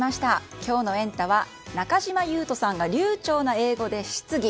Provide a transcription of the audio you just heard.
今日のエンタ！は中島裕翔さんが流ちょうな英語で質疑。